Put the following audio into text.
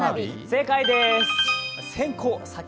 正解です。